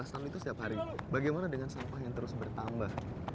lima belas tahun itu setiap hari bagaimana dengan sampah yang terus bertambah